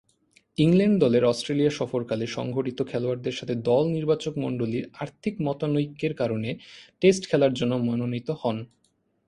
England দলের Australia সফরকালে সংঘটিত খেলোয়াড়দের সাথে দল নির্বাচকমণ্ডলীর আর্থিক মতানৈক্যের কারণে টেস্ট খেলার জন্যে মনোনীত হন।